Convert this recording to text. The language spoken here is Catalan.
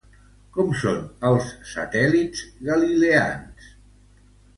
Com són els satèl·lits galileans?